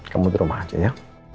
kamu di rumah aja ya